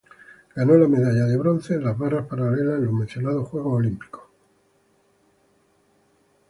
Ganó la medalla de bronce en las barras paralelas en los mencionados Juegos Olímpicos.